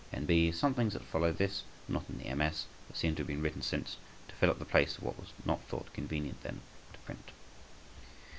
N.B.—Some things that follow after this are not in the MS., but seem to have been written since, to fill up the place of what was not thought convenient then to print.